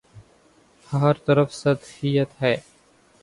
ہر طرف سطحیت ہے۔